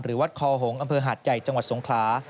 วัดคอหงษ์อำเภอหาดใหญ่จังหวัดสงขลา